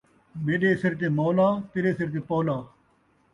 میݙے سِر تے مولا ، تیݙے سِر تے پولا